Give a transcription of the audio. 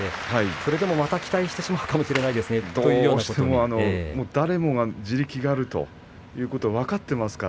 それでも期待してしまうかもしれ誰もが地力があるということは分かっています。